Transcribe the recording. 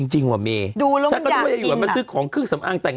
นางกินไอของแซ่บมากไหม